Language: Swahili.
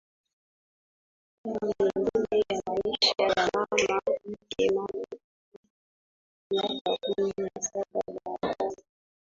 hayo mengine ya maisha ya mama yake Mama kupita miaka kumi na saba baadaye